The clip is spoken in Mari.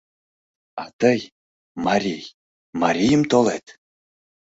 — А тый, марий — марийым толет?